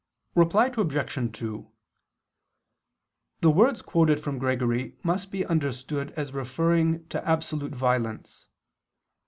Reply Obj. 2: The words quoted from Gregory must be understood as referring to absolute violence.